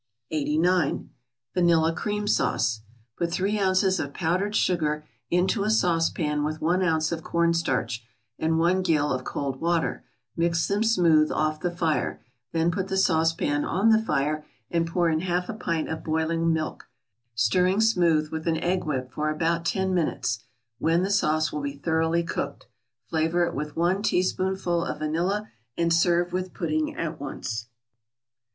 89. =Vanilla Cream Sauce.= Put three ounces of powdered sugar into a sauce pan with one ounce of corn starch, and one gill of cold water; mix them smooth off the fire; then put the sauce pan on the fire and pour in half a pint of boiling milk, stirring smooth with an egg whip for about ten minutes, when the sauce will be thoroughly cooked; flavor it with one teaspoonful of vanilla, and serve with pudding at once.